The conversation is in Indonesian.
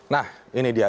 nah ini dia